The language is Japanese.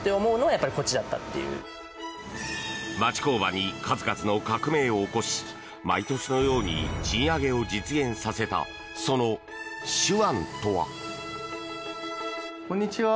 町工場に数々の革命を起こし毎年のように賃上げを実現させたその手腕とは。